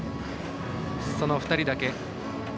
その２人だけ。